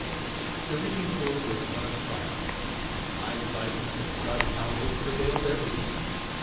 The reading tour was one of triumph. High prices and crowded houses prevailed everywhere.